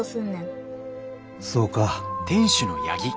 そうか。